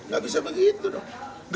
gak bisa begitu dong